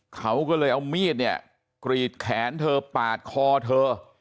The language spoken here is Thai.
เขาก็เลยเอามีดเนี่ยกรีดแขนเธอปาดคอเธอ